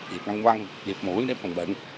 việc ngăn quăng việc mũi để phòng bệnh